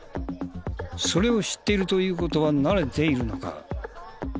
それを知っているという事は慣れているのか。